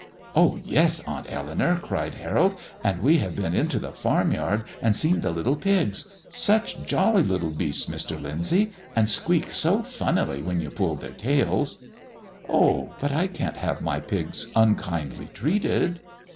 "Oh yes, Aunt Eleanour," cried Harold, "and we have been into the farm yard and seen the little pigs. Such jolly little beasts, Mr. Lyndsay, and squeak so funnily when you pull their tails." "Oh, but I can't have my pigs unkindly treated."